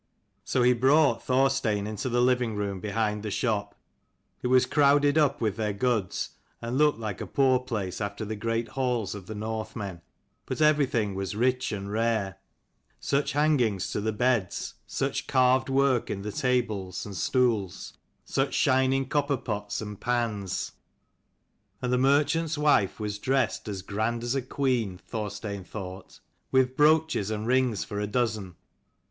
So he brought Thorstein into the living room behind the shop. It was crowded up with their goods, and looked like a poor place after the great halls of the Northmen : but every thing was rich and rare. Such hangings to the beds, such carved work in the tables and stools, such shining copper pots and pans! GG 249 And the merchant's wife was dressed as grand as a queen, Thorstein thought, with brooches and rings for a dozen.